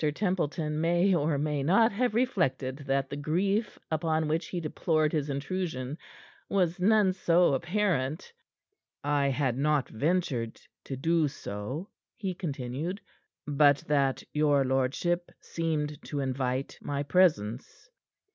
Templeton may or may not have reflected that the grief upon which he deplored his intrusion was none so apparent. "I had not ventured to do so," he continued, "but that your lordship seemed to invite my presence."